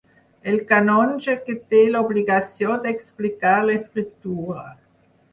El canonge que té l'obligació d'explicar l'Escriptura.